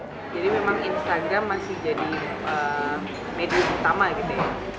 jadi memang instagram masih jadi medium utama gitu ya